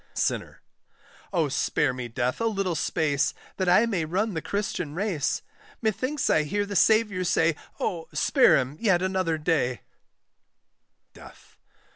SINNER. Oh spare me, Death, a little space, That I may run the Christian race! Methinks I hear the Saviour say, Oh spare him yet another day; DEATH.